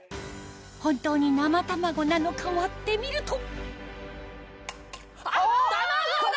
本当に生卵なのか割ってみると卵だ！